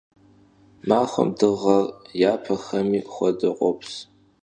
Maxuem dığer, yapexemi xuedeu, khops.